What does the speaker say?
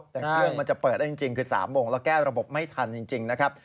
แต่เครื่องมันจะเปิดได้จริงคือ๓โมงแล้วแก้ระบบไม่ทันจริงนะครับ